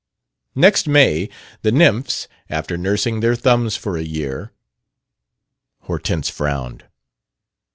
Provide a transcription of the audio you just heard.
"Next May the nymphs, after nursing their thumbs for a year " Hortense frowned.